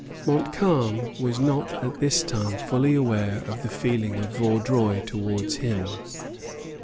Montcalm was not at this time fully aware of the feeling of Vaudreuil towards him.